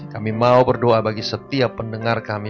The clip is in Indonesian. kami mau berdoa bagi setiap pendengar kami